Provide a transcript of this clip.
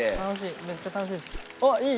めっちゃ楽しいっす。